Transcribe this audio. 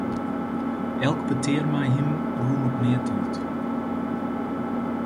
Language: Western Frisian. Elk petear mei him rûn op neat út.